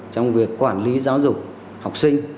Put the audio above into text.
trong việc quản lý giáo dục học sinh